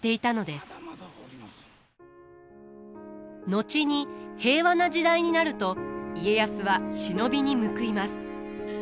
後に平和な時代になると家康は忍びに報います。